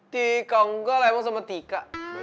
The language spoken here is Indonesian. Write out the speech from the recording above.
tika engga lah emang sama tika